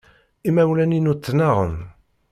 Imawlan-inu ttnaɣen.